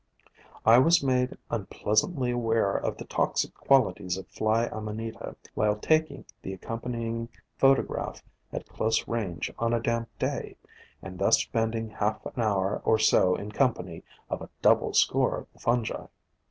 I was made unpleasantly aware of the toxic qualities of Fly Amanita while taking the accompanying photograph at close range on a damp day, and thus spending half an hour or so in company of a double score of the fungi.